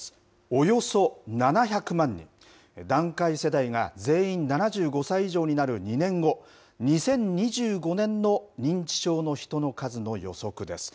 およそ７００万人、団塊世代が全員７５歳以上になる２年後、２０２５年の認知症の人の数の予測です。